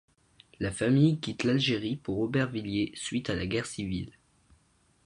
La famille quitte l'Algérie pour Aubervilliers suite à la guerre civile.